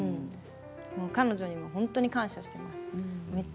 彼女には本当に感謝しています。